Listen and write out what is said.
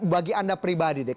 bagi anda pribadi deh